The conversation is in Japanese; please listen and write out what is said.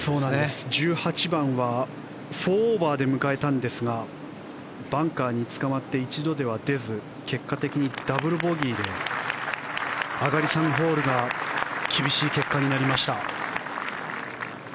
１８番は４オーバーで迎えたんですがバンカーにつかまって一度では出ず結果的にダブルボギーで上がり３ホールが厳しい結果になりました。